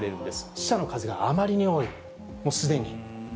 死者の数があまりに多い、もうすでに。